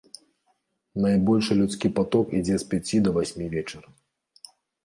Найбольшы людскі паток ідзе з пяці да васьмі вечара.